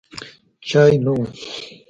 چای نه و.